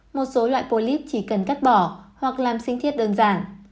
một số loại polyp chỉ cần cắt bỏ hoặc làm sinh thiết đơn giản